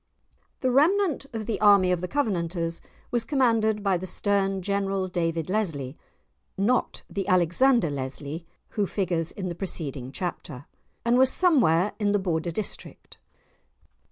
The remnant of the army of the Covenanters was commanded by the stern General David Lesly (not the Alexander Leslie who figures in the preceding chapter), and was somewhere in the Border district.